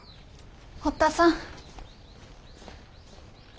堀田さん。